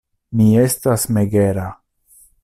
Mi estas megera.